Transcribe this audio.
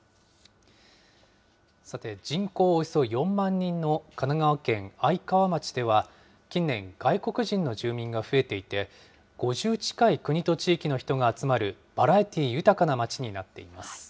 さて、人口およそ４万人の神奈川県愛川町では、近年、外国人の住民が増えていて、５０近い国と地域の人が集まるバラエティー豊かな町になっています。